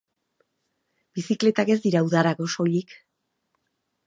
Bizikletak ez dira udarako soilik.